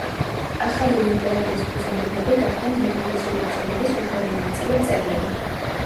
ახალი ლიტერატურის ფუძემდებლები გახდნენ რევოლუციური ბრძოლების უშუალო მონაწილე მწერლები.